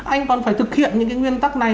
anh còn phải thực hiện những cái nguyên tắc này